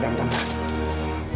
tahan tahan tahan